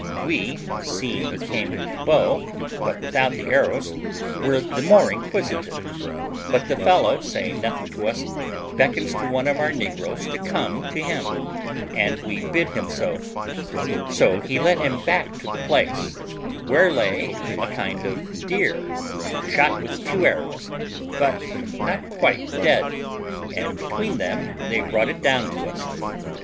We, seeing he came with the bow, but without the arrows, were the more inquisitive; but the fellow, saying nothing to us, beckons to one of our negroes to come to him, and we bid him go; so he led him back to the place, where lay a kind of deer, shot with two arrows, but not quite dead, and between them they brought it down to us.